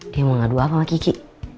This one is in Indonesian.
dia mau ngadu apa sama kiki